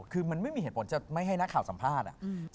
คือมันไม่มีเหตุผลจะไม่ให้นักข่าวสัมภาษณ์